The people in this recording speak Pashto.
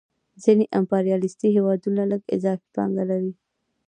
ځینې امپریالیستي هېوادونه لږ اضافي پانګه لري